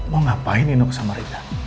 mau ngapain nino ke samarinda